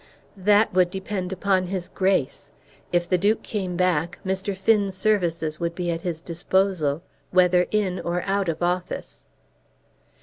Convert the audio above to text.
"That would depend upon his Grace, If the Duke came back, Mr. Finn's services would be at his disposal, whether in or out of office."